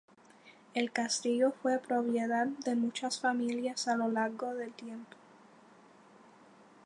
El castillo fue propiedad de muchas familias a lo largo del tiempo.